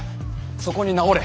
そこに直れ！